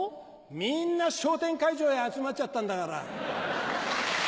みんな笑点会場へ集まっちゃったんだから。